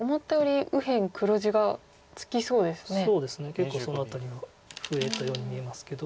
結構その辺りは増えたように見えますけど。